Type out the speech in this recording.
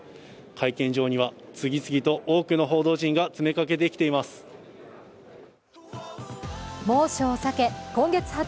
会見場には次々と多くの報道陣が詰めかけています。